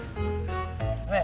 ねえ。